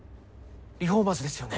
リフォーマーズですよね？